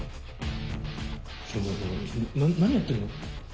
何やってんの？